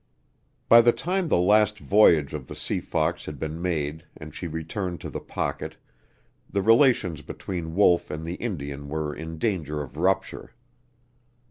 By the time the last voyage of the Sea Fox had been made and she returned to The Pocket, the relations between Wolf and the Indian were in danger of rupture.